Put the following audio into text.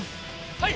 はい！